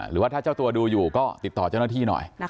หรือว่าถ้าเจ้าตัวดูอยู่ก็ติดต่อเจ้าหน้าที่หน่อย